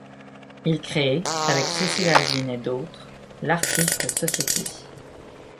Il crée avec Cecil Aldin et d'autres l'Artist's Society.